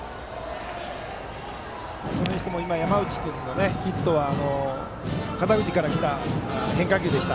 今の山内君のヒットは肩口から来た変化球でした。